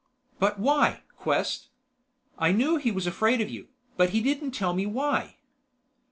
"But why, Quest? I knew he was afraid of you, but he didn't tell me why."